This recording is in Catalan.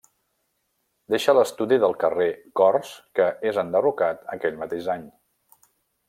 Deixa l'estudi del carrer Corts que és enderrocat aquell mateix any.